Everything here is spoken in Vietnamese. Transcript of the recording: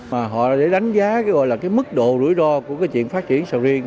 mà họ để đánh giá cái gọi là cái mức độ rủi ro của cái chuyện phát triển sầu riêng